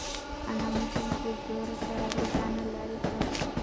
انا ماشوم په زور سره له ځانه لرې کړ.